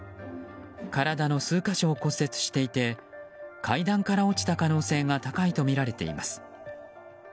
体の数か所を骨折していて階段から落ちた可能性が高いとみられています。